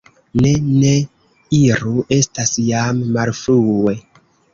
Ne, ne iru, estas jam malfrue.